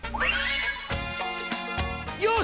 よし！